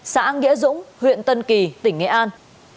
xã nghĩa dũng huyện tân kỳ tỉnh nghệ an